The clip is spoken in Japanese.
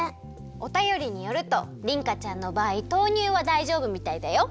おたよりによるとりんかちゃんのばあい豆乳はだいじょうぶみたいだよ。